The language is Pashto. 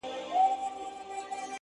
• د دربار له دروېشانو سره څه دي؟,